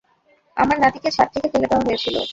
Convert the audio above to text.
আমার নাতিকে ছাদ থেকে ফেলে দেওয়া হয়েছিল।